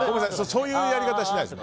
そういうやり方はしないです。